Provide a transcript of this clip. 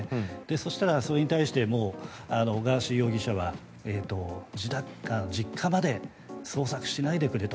そしたら、それに対してガーシー容疑者は実家まで捜索しないでくれと。